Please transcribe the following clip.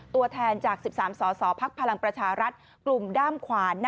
ตัวแทนจาก๑๓สสพลังประชารัฐกลุ่มด้ามขวาน